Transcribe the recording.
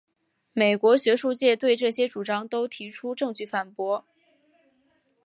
美国学术界对这些主张都提出证据反驳。